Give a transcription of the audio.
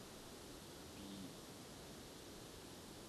پی